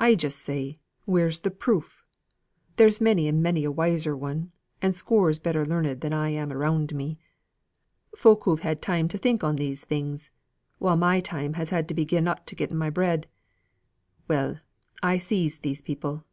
I just say, where's the proof? There's many and many a one wiser, and scores better learned than I am around me, folk who've had time to think on these things, while my time has had to be gi'en up to getting my bread. Well, I sees these people.